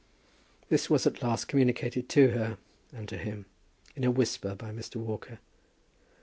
This was at last communicated to her, and to him, in a whisper by Mr. Walker.